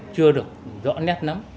chưa được rõ nét lắm